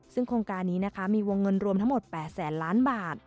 ซึ่งโครงการนี้นะคะมีวงเงินรวมทั้งหมด๘แสนล้านบาท